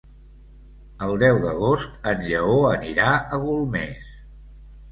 El deu d'agost en Lleó anirà a Golmés.